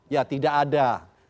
ya tidak ada